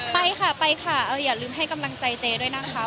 ไปค่ะไปค่ะอย่าลืมให้กำลังใจเจด้วยนะคะ